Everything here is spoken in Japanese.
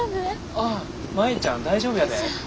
ああ舞ちゃん大丈夫やで。